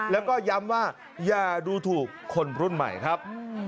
แล้วก็ย้ำว่าอย่าดูถูกคนรุ่นใหม่ครับ